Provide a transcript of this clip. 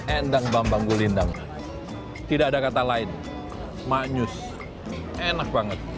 endang bambang gulindang tidak ada kata lain maknyus enak banget